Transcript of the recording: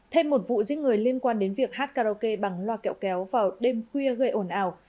thêm một vụ giết người liên quan đến việc hát karaoke bằng loa kẹo kéo vào đêm khuya gây ồn ào